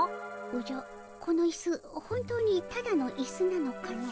おじゃこのイス本当にただのイスなのかの？